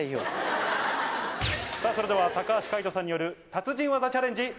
それでは橋海人さんによる達人技チャレンジスタート！